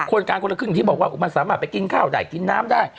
คนกลางคนละครึ่งอย่างที่บอกว่ามันสามารถไปกินข้าวได้กินน้ำได้